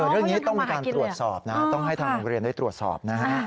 เรื่องนี้ต้องมีการตรวจสอบนะต้องให้ทางโรงเรียนได้ตรวจสอบนะฮะ